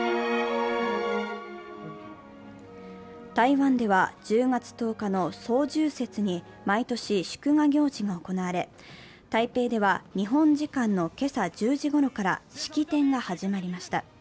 台湾では１０月１０日の双十節に毎年、祝賀行事行われ台北では、日本時間の今朝１０時ごろから式典が始まりました。